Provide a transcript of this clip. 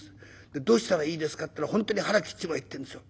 でどうしたらいいですかって言ったら本当に腹切っちまえと言うんですよ。